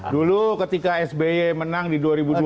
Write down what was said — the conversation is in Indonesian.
dulu ketika sby menang di dua ribu dua puluh